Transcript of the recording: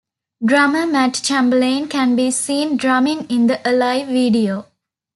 Drummer Matt Chamberlain can be seen drumming in the "Alive" video.